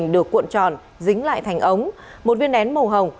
một mươi được cuộn tròn dính lại thành ống một viên nén màu hồng